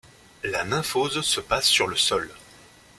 La nymphose se passe sur le sol.